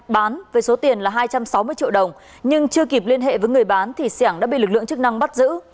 bán với số tiền là hai trăm sáu mươi triệu đồng nhưng chưa kịp liên hệ với người bán thì sẻng đã bị lực lượng chức năng bắt giữ